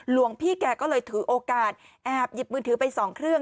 หลวงพี่แกก็เลยถือโอกาสแอบหยิบมือถือไปสองเครื่อง